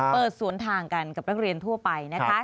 เปิดสวนทางกันกับนักเรียนทั่วไปนะคะ